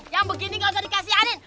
yang begini gak usah dikasihanin